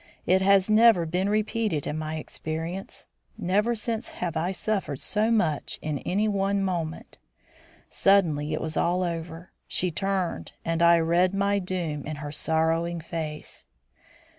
It has never been repeated in my experience. Never since have I suffered so much in any one moment. Suddenly it was all over. She turned and I read my doom in her sorrowing face.